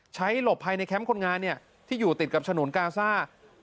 หลบภายในแคมป์คนงานที่อยู่ติดกับฉนวนกาซ่า